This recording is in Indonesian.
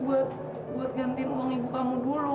buat gantiin uang ibu kamu dulu